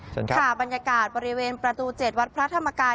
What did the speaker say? เชิญค่ะบรรยากาศบริเวณประตู๗วัดพระธรรมกาย